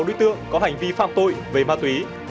ba trăm sáu mươi sáu đối tượng có hành vi phạm tội về ma túy